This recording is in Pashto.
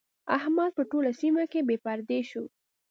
احمد په ټوله سيمه کې بې پردې شو.